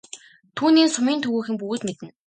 Түүнийг нь сумын төвийнхөн бүгд мэднэ.